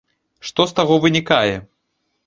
Што з таго вынікае?